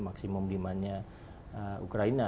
maksimum demandnya ukraina